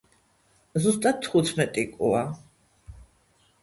ზუსტად თხუთმეტი კუა.